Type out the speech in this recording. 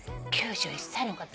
９１歳の方。